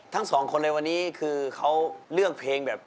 ทั้งสองคนเลยวันนี้คือเขาเลือกเพลงแบบ